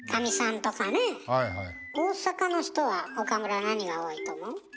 大阪の人は岡村何が多いと思う？